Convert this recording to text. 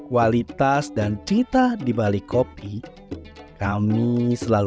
merasakan keajaiban dan kehangatan